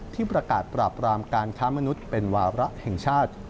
ที่ประกาศปราบรามการค้ามนุษย์เป็นวาระแห่งชาติ